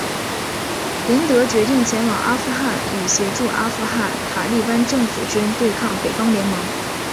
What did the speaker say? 林德决定前往阿富汗以协助阿富汗塔利班政府军对抗北方联盟。